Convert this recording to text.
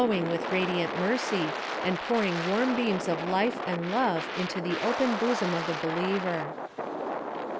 \^l With radiant mercy, and pouring warm beams of life and love into the open bosom of the believer.